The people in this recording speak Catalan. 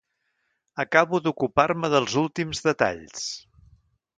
Acabo d'ocupar-me dels últims detalls.